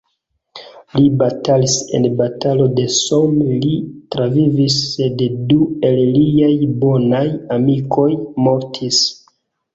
Li batalis en Batalo de Somme—li travivis, sed du el liaj bonaj amikoj mortis.